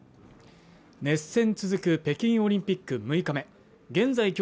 熱戦続く北京オリンピック６日目現在